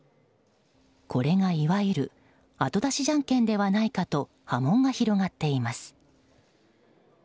これが、いわゆる後出しじゃんけんではないかと波紋が広がっています。